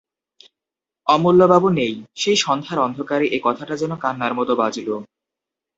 অমূল্যবাবু নেই– সেই সন্ধ্যার অন্ধকারে এ কথাটা যেন কান্নার মতো বাজল।